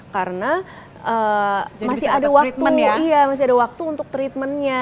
karena masih ada waktu untuk treatmentnya